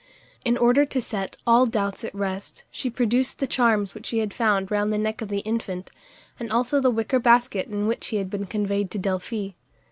In order to set all doubts at rest, she produced the charms which she had found round the neck of the infant, and also the wicker basket in which he had been conveyed to Delphi.